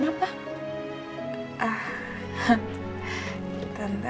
mbak mbak bennani gak tenang gitu